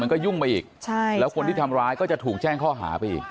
ก็ยุ่งไปอีกใช่แล้วคนที่ทำร้ายก็จะถูกแจ้งข้อหาไปอีก